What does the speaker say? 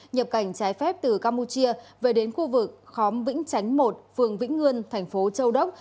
nhập cảnh trái phép từ campuchia về đến khu vực khóm vĩnh chánh một phường vĩnh ngươn thành phố châu đốc